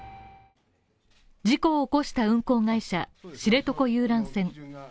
事故を起こした運航会社、知床遊覧船。